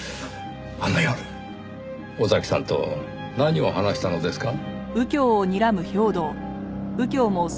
あの夜尾崎さんと何を話したのですか？